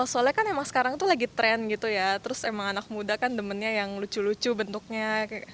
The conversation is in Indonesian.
soalnya kan emang sekarang tuh lagi trend gitu ya terus emang anak muda kan demennya yang lucu lucu bentuknya